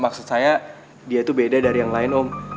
maksud saya dia itu beda dari yang lain om